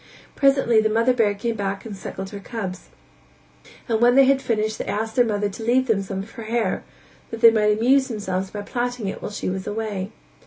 Presently the mother bear came back and suckled her cubs, and when they had finished they asked their mother to leave them some of her hair that they might amuse themselves by plaiting it while she was away.